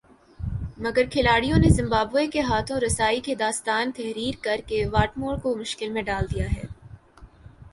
مگر کھلاڑیوں نے زمبابوے کے ہاتھوں رسائی کی داستان تحریر کر کے واٹمور کو مشکل میں ڈال دیا ہے